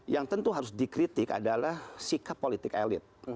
yang tentu harus dikritik adalah sikap politik elit